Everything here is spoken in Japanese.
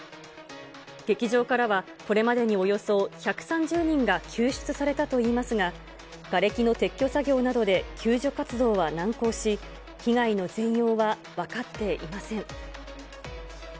劇場からは、これまでにおよそ１３０人が救出されたといいますが、がれきの撤去作業などで、救助活動は難航し、被害の全容は分かっていません。